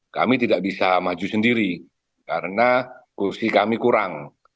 kami tidak bisa maju sendiri karena kursi kami kurang